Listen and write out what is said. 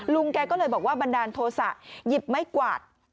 ลุงแกก็เลยบอกว่าบันดาลโทษะหยิบไม้กวาด